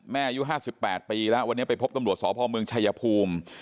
แม่อายุห้าสิบแปดปีแล้ววันนี้ไปพบตำรวจสอบภอมเมืองชัยภูมิ